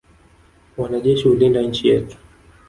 Wanajeshi hulinda nchi yetu.